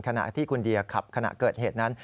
ขณะที่คุณเดียขับขณะเกิดเหตุนั้น